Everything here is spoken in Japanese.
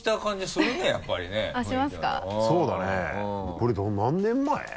これ何年前？